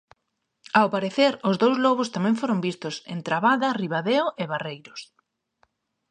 Ao parecer, os dous lobos tamén foron vistos en Trabada, Ribadeo e Barreiros.